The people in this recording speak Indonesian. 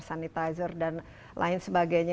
sanitizer dan lain sebagainya